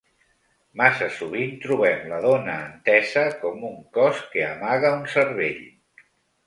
Massa sovint trobem la dona entesa com un cos que amaga un cervell.